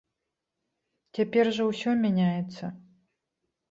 Цяпер жа ўсё мяняецца.